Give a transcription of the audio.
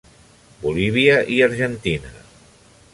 Bolívia i Argentina.